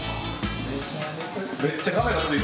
めっちゃカメラついとる。